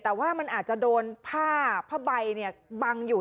แต่ว่ามันอาจจะโดนผ้าผ้าใบบังอยู่